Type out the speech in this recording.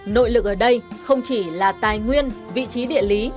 nội lực ở đây không chỉ là tài nguyên vị trí địa lý